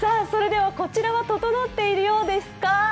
それではこちらはととのっているようですか？